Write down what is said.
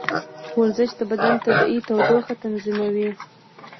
ورزش د بدن طبیعي تودوخه تنظیموي.